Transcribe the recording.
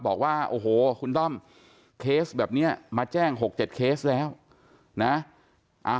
บอกโอ้โหคุณต้อมเคสแบบเนี้ยมาแจ้งหกเจ็ดเคสแล้วนะ